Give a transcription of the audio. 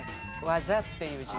「技」っていう字。